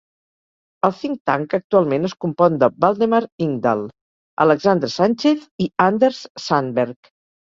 El "think tank" actualment es compon de: Waldemar Ingdahl, Alexandre Sánchez i Anders Sandberg.